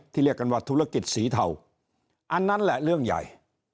เรียกกันว่าธุรกิจสีเทาอันนั้นแหละเรื่องใหญ่